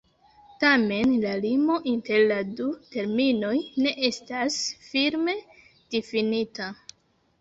Tamen la limo inter la du terminoj ne estas firme difinita.